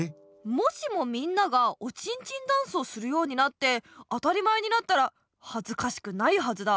もしもみんながおちんちんダンスをするようになって当たり前になったらはずかしくないはずだ。